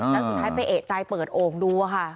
แล้วสุดท้ายไปเอกใจเปิดโอ่งดูค่ะ